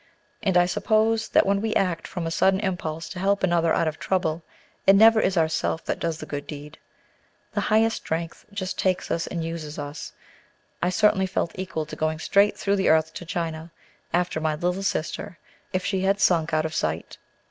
And I suppose that when we act from a sudden impulse to help another out of trouble, it never is ourself that does the good deed. The Highest Strength just takes us and uses us. I certainly felt equal to going straight through the earth to China after my little sister, if she had stink out of sight.